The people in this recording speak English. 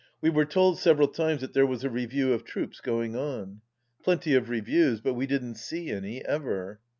We were told several times that there was a review of troops going on. Plenty of reviews, but we didn't see any, ever